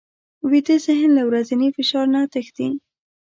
ویده ذهن له ورځني فشار نه تښتي